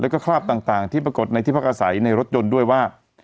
แล้วก็คราบต่างที่ปรากฏในที่พักอาศัยในรถยนต์ด้วยว่า